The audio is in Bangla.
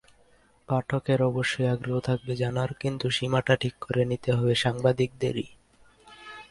পাঠকের অবশ্যই আগ্রহ থাকবে জানার, কিন্তু সীমাটা ঠিক করে নিতে হবে সাংবাদিকদেরই।